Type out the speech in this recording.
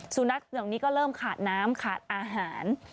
สูนักตรงนี้ก็เริ่มขาดน้ำขาดอาหาร